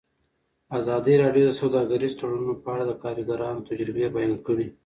ازادي راډیو د سوداګریز تړونونه په اړه د کارګرانو تجربې بیان کړي.